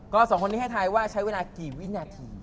ก็สองคนนี้ให้ทายว่าใช้เวลากี่วินาที